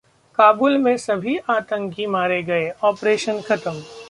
काबुल में सभी आतंकी मारे गए, ऑपरेशन खत्म